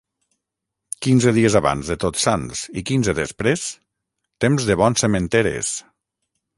Quinze dies abans de Tots Sants i quinze després, temps de bon sementer és.